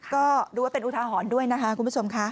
ก็ดูว่าเป็นอุทาหรณ์ด้วยนะคะคุณผู้ชมค่ะ